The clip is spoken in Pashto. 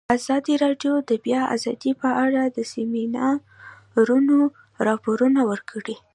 ازادي راډیو د د بیان آزادي په اړه د سیمینارونو راپورونه ورکړي.